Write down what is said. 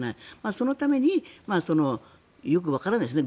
そのためによくわからないですね